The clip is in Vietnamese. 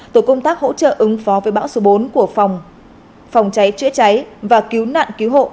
tổ công tác hỗ trợ ứng phó với bão số bốn của phòng cháy chữa cháy và cứu nạn cứu hộ